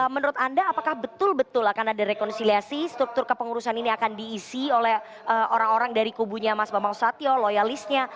menurut anda apakah betul betul akan ada rekonsiliasi struktur kepengurusan ini akan diisi oleh orang orang dari kubunya mas bambang usatyo loyalisnya